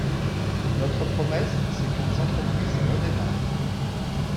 Notre promesse, c’est que les entreprises redémarrent.